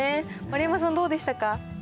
丸山さん、どうでしたか？